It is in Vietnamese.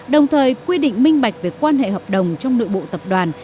đồng thời quy định minh bạch về quan hệ hợp đồng trong nội bộ tập đoàn